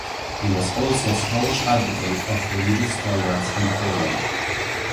He was also a staunch advocate of religious tolerance in Poland.